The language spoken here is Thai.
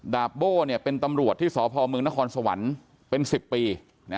ดาบโบ้เป็นตำรวจที่สพเมืองนครสวรรค์เป็น๑๐ปี